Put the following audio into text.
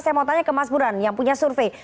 saya mau tanya ke mas buran yang punya survei